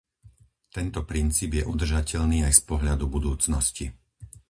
Tento princíp je udržateľný aj z pohľadu budúcnosti.